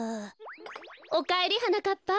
おかえりはなかっぱ。